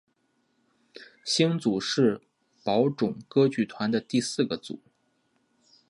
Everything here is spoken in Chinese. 星组是宝冢歌剧团的第四个组。